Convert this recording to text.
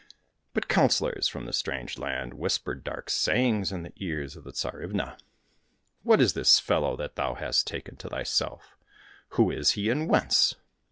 But counsellors from the strange land whispered dark sayings in the ears of the Tsarivna. " What is this fellow that thou hast taken to thyself } Who is he, and whence